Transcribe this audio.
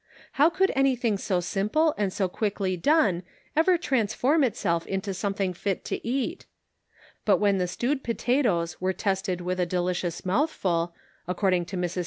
How could anything so simple and so quickly done ever transform itself into something fit to eat? But when the stewed potatoes were tested with a delicious mouthful, according to 318 The Pocket Measure. Mrs.